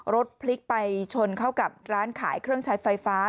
รถพลิกไปชนเข้ากับร้านขายเครื่องใช้ไฟฟ้า